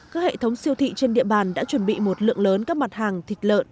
các hệ thống siêu thị trên địa bàn đã chuẩn bị một lượng lớn các mặt hàng thịt lợn